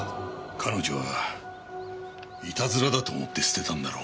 彼女はいたずらだと思って捨てたんだろうが。